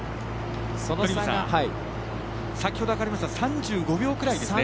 先ほど計りましたら３５秒ぐらいです。